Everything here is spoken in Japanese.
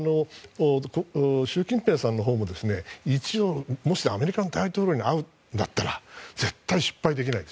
習近平さんのほうももしアメリカの大統領に会うなら絶対失敗できない。